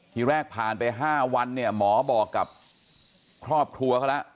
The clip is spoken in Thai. ทีแรกผ่านไป๕วันเนี่ยหมอบอกกับครอบครัวเขาแล้ว